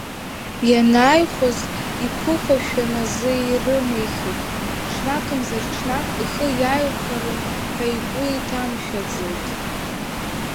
Ианааихәоз иԥыхьашәан азы ирымихит, ҽнакымзар ҽнак ихы иаирхәарын ҳәа игәы иҭамшәаӡеит.